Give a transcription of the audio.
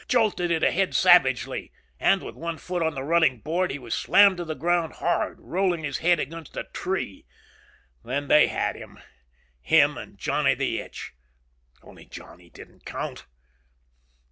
Jolted it ahead savagely. And with one foot on the running board, he was slammed to the ground hard, rolling his head against a tree. Then they had him. Him and Johnny the Itch. Only Johnny didn't count.